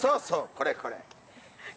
これこれ！